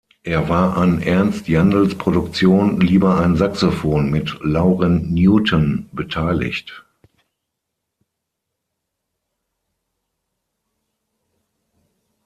Er war an Ernst Jandls Produktion "Lieber ein Saxophon" mit Lauren Newton beteiligt.